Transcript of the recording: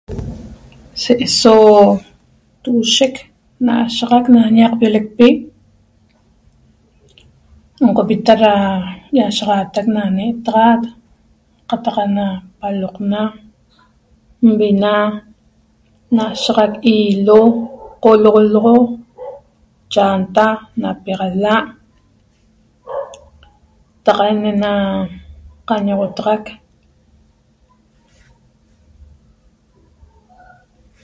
Se'eso togueshec n'ashaxac na ñaqpiolecpi n'oqopita da ýiashaxaatac na n'etaxat qataq ana palqona nvina n'asahaxac hilo qolxolxo chanta napiaxala' taqa'en ne'ena qañoxotaxac